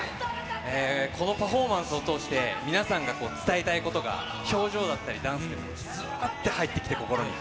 このパフォーマンスを通して、皆さんが伝えたいことが、表情だったり、ダンスで、ずばって入ってきて、心に。